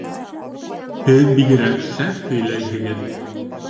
Һеҙ бигерәк шәп һөйләйһегеҙ.